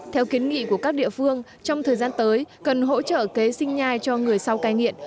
theo kiến nghị của các địa phương trong thời gian tới cần hỗ trợ kế sinh nhai cho người sau cai nghiện